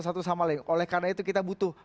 satu sama lain oleh karena itu kita butuh